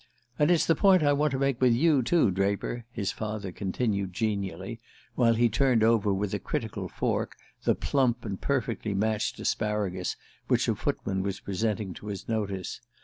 "And it's the point I want to make with you, too, Draper," his father continued genially, while he turned over with a critical fork the plump and perfectly matched asparagus which a footman was presenting to his notice.